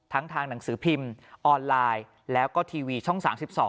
ทางหนังสือพิมพ์ออนไลน์แล้วก็ทีวีช่อง๓๒